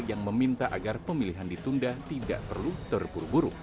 yang meminta agar pemilihan ditunda tidak perlu terburu buru